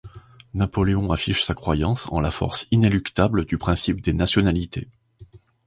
Napoléon affiche sa croyance en la force inéluctable du principe des nationalités.